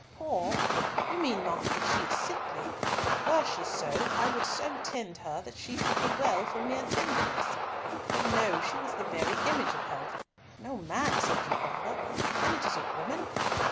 "Poor! You mean not that she is sickly. Were she so, I would so tend her that she should be well for mere tenderness. But no, she was the very image of health. No man, said you, father? Then it is a woman.